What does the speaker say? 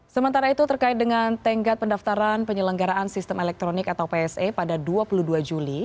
sementara itu terkait dengan tenggat pendaftaran penyelenggaraan sistem elektronik atau pse pada dua puluh dua juli